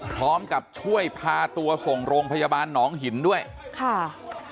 พร้อมกับช่วยพาตัวส่งโรงพยาบาลหนองหินด้วยค่ะ